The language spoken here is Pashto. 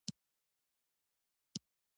د سپرم د زیاتوالي لپاره د کدو تخم وخورئ